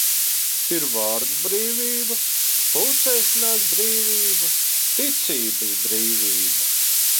Ir vārda brīvība, pulcēšanās brīvība, ticības brīvība.